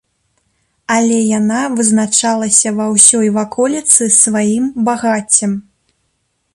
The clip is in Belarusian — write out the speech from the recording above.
Але яна вызначалася ва ўсёй ваколіцы сваім багаццем.